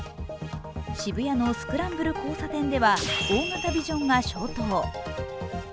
渋谷のスクランブル交差点では大型ビジョンが消灯。